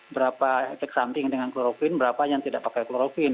berapa efek samping dengan kloroquine berapa yang tidak pakai kloroquine